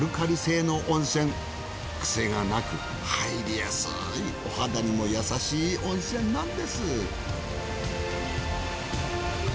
癖がなく入りやすいお肌にも優しい温泉なんです。